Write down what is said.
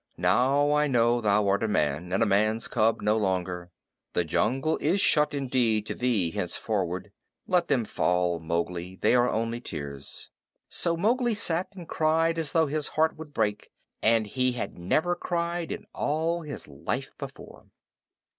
"Now I know thou art a man, and a man's cub no longer. The jungle is shut indeed to thee henceforward. Let them fall, Mowgli. They are only tears." So Mowgli sat and cried as though his heart would break; and he had never cried in all his life before.